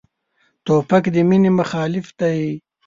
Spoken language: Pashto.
توپک د مینې مخالف دی.